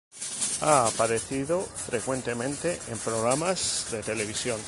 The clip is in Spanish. Ha aparecido frecuentemente en programas de televisión.